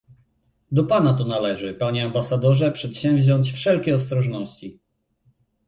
"Do pana to należy, panie ambasadorze przedsięwziąć wszelkie ostrożności."